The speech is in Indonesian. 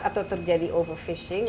atau terjadi overfishing